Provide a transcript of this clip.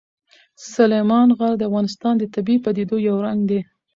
سلیمان غر د افغانستان د طبیعي پدیدو یو رنګ دی.